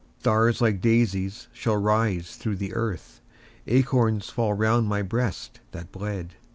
Stars, like daisies, shall rise through the earth, Acorns fall round my breast that bled.